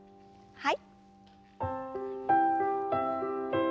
はい。